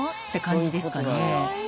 って感じですかね